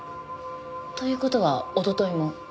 という事はおとといも？